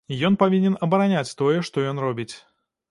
Ён павінен абараняць тое, што ён робіць!